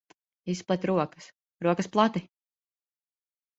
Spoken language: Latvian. Izplet rokas. Rokas plati!